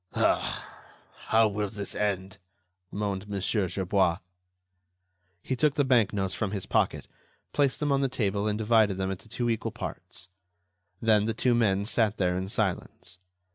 "Ah! how will this end?" moaned Mon. Gerbois. He took the bank notes from his pocket, placed them on the table and divided them into two equal parts. Then the two men sat there in silence.